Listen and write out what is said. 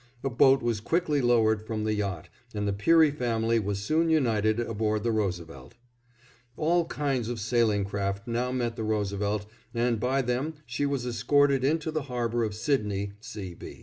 A boat was quickly lowered from the yacht and the Peary family was soon united aboard the Roosevelt. All kinds of sailing craft now met the Roosevelt and by them she was escorted into the harbor of Sydney, C. B.